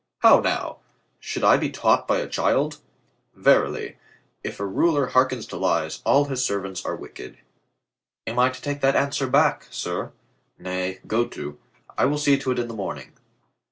"How now! Shall I be taught by a child? Ver ily, if a ruler harken to lies, all his servants are wicked." "Am I to take that answer back, sir?" "Nay, go to. I will see to it in the morning."